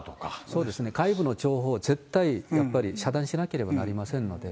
そうですね、外部の情報を絶対やっぱり遮断しなければなりませんので。